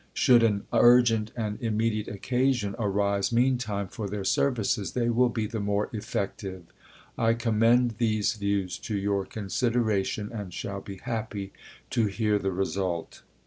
Should an urgent and immediate occasion arise meantime for their services, they will be the more effective. I commend these views to your consideration and shall be happy to hear the result.